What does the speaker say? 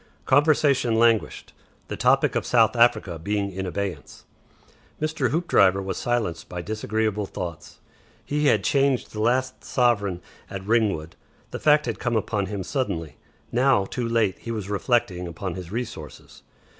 Conversation languished, the topic of South Africa being in abeyance. Mr. Hoopdriver was silenced by disagreeable thoughts. He had changed the last sovereign at Ringwood. The fact had come upon him suddenly. Now too late he was reflecting upon his resources.